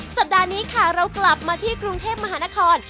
สัปดาห์นี้ค่ะเรากลับมาที่กรุงเทพมหานคร